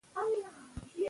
معلومات راټول کړه.